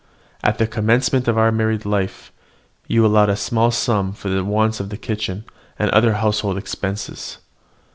At the commencement of our married life, you allowed a small sum for the wants of the kitchen, and the other household expenses.